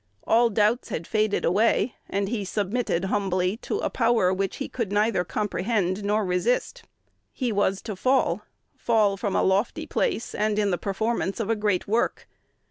All doubts had faded away, and he submitted humbly to a power which he could neither comprehend nor resist. He was to fall, fall from a lofty place, and in the performance of a great work.